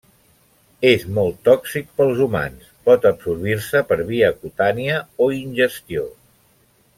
És molt tòxic pels humans, pot absorbir-se per via cutània o ingestió.